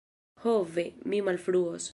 Ho, ve! mi malfruos!